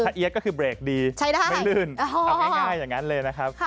เอี๊ยดก็คือเบรกดีไม่ลื่นเอาง่ายอย่างนั้นเลยนะครับ